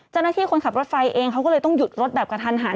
เจ้าหน้าที่คนขับรถไฟเองเขาก็เลยต้องหยุดรถแบบกระทันหาญ